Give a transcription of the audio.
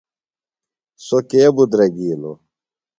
سوۡ کے بُدرَگِیلوۡ؟